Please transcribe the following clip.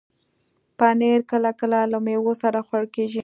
پنېر کله کله له میوو سره خوړل کېږي.